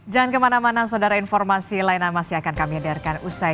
jangan kemana mana saudara informasi lain yang masih akan kami hadirkan usai